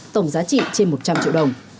tổng giá trị trên một trăm linh triệu đồng